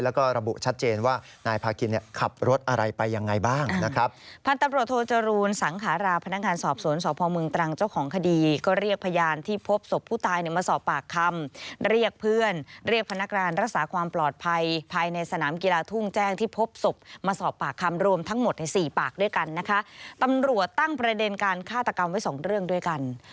และก็ระบุชัดเจนว่าพาคิณนี่ขับรถอะไรไปยังไงบ้างนะครับ